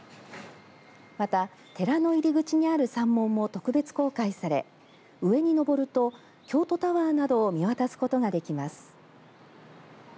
また、寺の入り口にある山門も特別公開され上に上ると京都タワーなどを見渡すことができます。